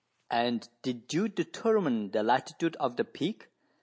" And did you determine the latitude of the peak